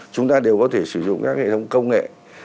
chúng ta đều có thể sử dụng các hệ thống công nghệ